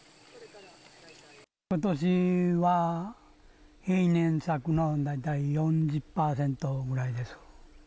ことしは平年作の大体４０％ぐらいです。